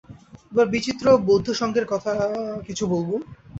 এবার বিচিত্র বৌদ্ধসঙ্ঘের কথা কিছু বলব।